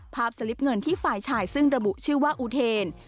สลิปเงินที่ฝ่ายชายซึ่งระบุชื่อว่าอุเทน